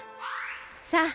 さあ